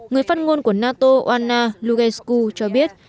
người phát ngôn của nato oana lugescu cho biết